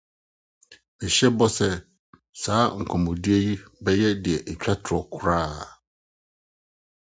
mehyɛ bɔ sɛ saa nkɔmmɔbɔ yi bɛyɛ nea etwa to koraa.